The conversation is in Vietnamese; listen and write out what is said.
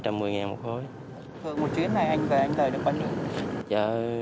thường một chuyến này anh về anh tờ được bao nhiêu